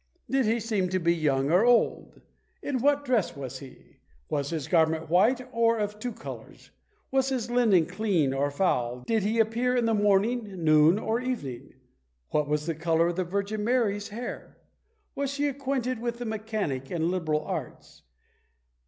Did he seem to be young or old? In what dress was he? Was his garment white or of two colours? Was his linen clean or foul? Did he appear in the morning, noon, or evening? What was the colour of the Virgin Mary's hair? Was she acquainted with the mechanic and liberal arts?